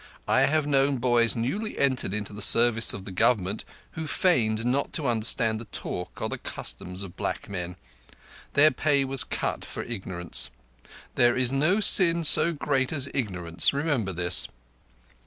I have known boys newly entered into the service of the Government who feigned not to understand the talk or the customs of black men. Their pay was cut for ignorance. There is no sin so great as ignorance. Remember this."